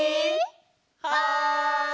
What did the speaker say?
はい！